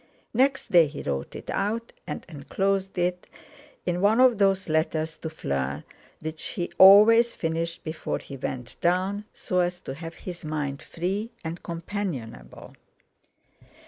Next day he wrote it out and enclosed it in one of those letters to Fleur which he always finished before he went down, so as to have his mind free and companionable.